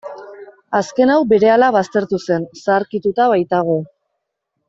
Azken hau berehala baztertu zen, zaharkituta baitago.